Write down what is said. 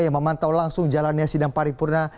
yang memantau langsung jalannya sidang paripurna